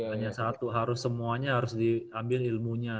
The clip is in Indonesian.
hanya satu harus semuanya harus diambil ilmunya